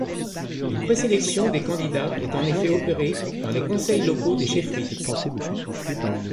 Une présélection des candidats est en effet opérée dans les conseils locaux des chefferies.